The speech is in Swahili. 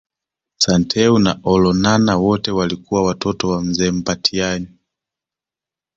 Santeu na Olonana wote walikuwa Watoto wa Mzee Mbatiany